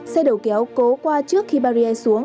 xe đầu kéo cố qua trước khi barrier